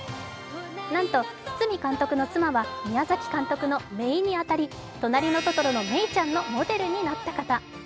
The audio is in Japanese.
なんと堤監督の妻は宮崎監督のめいに当たり、「となりのトトロ」のメイちゃんのモデルになった方。